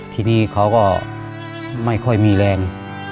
ทีนี้เขาก็ไม่ค่อยมีแรง